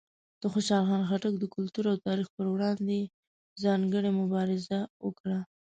د خوشحال خان خټک د کلتور او تاریخ پر وړاندې یې ځانګړې مبارزه وکړه.